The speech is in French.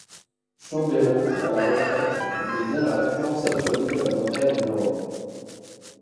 Chambérod à la retraite, il devient la référence absolue de la Montagne en Europe.